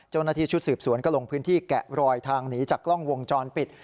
เจ้าหน้าที่ชุดสืบสวนก็ลงพื้นที่แกะรอยทางหนีจากกล้องวงจรปิด